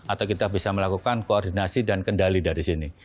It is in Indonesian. atau kita bisa melakukan koordinasi dan kendali dari sini